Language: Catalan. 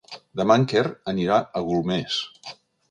Demà en Quer anirà a Golmés.